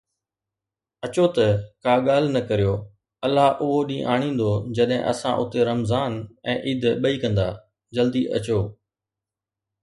اچو ته ڪا ڳالهه نه ڪريو، الله اهو ڏينهن آڻيندو جڏهن اسان اتي رمضان ۽ عيد ٻئي ڪندا، جلدي اچو